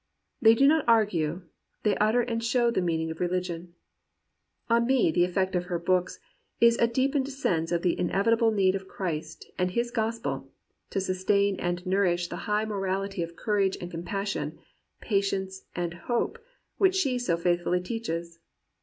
They do not argue; they utter and show the meaning of religion. On me the effect of her books is a deepened sense of the inevitable need of Christ and his gospel to sustain and nourish the high morality of courage and compassion, patience, and hope, which she so faithfully teaches.